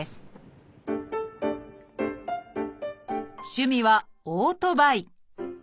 趣味はオートバイ。